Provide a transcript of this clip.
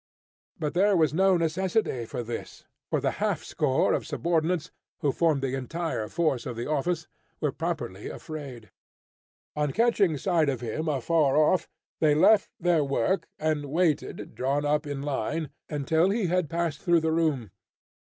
But there was no necessity for this, for the halfscore of subordinates, who formed the entire force of the office, were properly afraid. On catching sight of him afar off, they left their work, and waited, drawn up in line, until he had passed through the room.